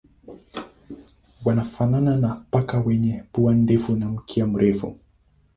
Wanafanana na paka wenye pua ndefu na mkia mrefu.